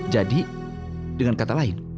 jadi dengan kata lain